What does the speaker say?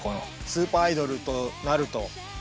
スーパーアイドルとなると。